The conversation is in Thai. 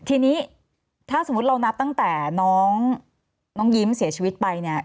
ทีนี้ถ้าสมมุติเรานับตั้งแต่น้องยิ้มเสียชีวิตไปเนี่ย